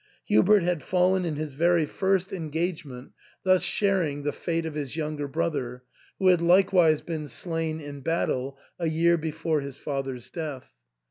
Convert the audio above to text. Hubert had fallen in his very first engage THE ENTAIL. 311 ment, thus sharing the fate of his younger brother, who had likewise been slain in battle a year before his father's death.